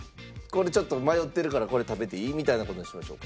これちょっと迷ってるからこれ食べていい？みたいな事にしましょうか。